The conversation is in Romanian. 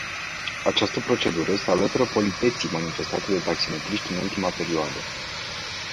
Această procedură se alătură politeții manifestate de taximetriști în ultima perioadă.